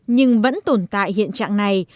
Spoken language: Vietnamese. nhưng vẫn tồn tại hiện trạng này